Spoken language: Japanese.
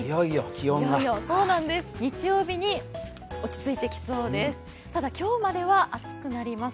いよいよ日曜日に落ち着いてきそうです。